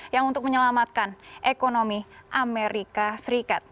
yang untuk menyelamatkan ekonomi amerika serikat